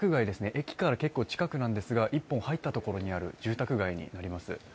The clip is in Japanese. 駅から結構近くなんですが、１本入ったところにある住宅街になります。